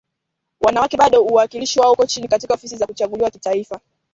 wanawake bado uwakilishi wao uko chini katika ofisi za kuchaguliwa kitaifa